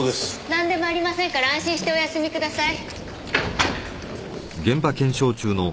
なんでもありませんから安心してお休みください。